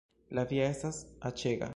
La via estas aĉega